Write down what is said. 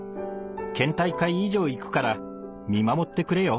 「県大会以上行くから見守ってくれよ」